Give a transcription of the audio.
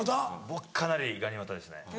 僕かなりがに股ですね。